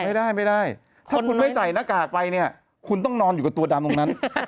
ไม่ได้ไม่ได้ถ้าคุณไม่ใส่หน้ากากไปเนี่ยคุณต้องนอนอยู่กับตัวดำตรงนั้น